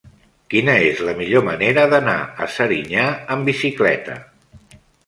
Quina és la millor manera d'anar a Serinyà amb bicicleta?